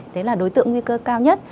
đấy là đối tượng nguy cơ cao nhất